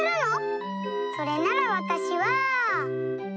それならわたしは。